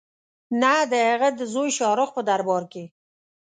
نه د هغه د زوی شاه رخ په دربار کې.